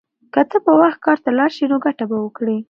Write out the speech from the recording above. که ته په وخت کار ته لاړ شې نو ګټه به وکړې.